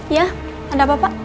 iya ada apa pak